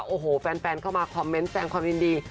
โอ้โหแฟนเข้ามาคอมเมนต์แสงความยินดี